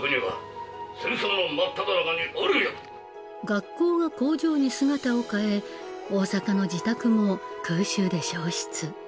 学校が工場に姿を変え大阪の自宅も空襲で焼失。